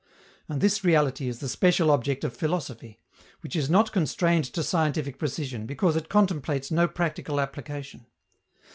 And this reality is the special object of philosophy, which is not constrained to scientific precision because it contemplates no practical application.